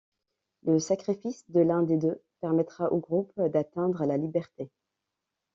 Le sacrifice de l'un deux permettra au groupe d'atteindre la liberté.